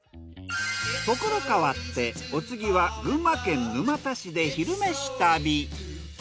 所変わってお次は群馬県沼田市で「昼めし旅」。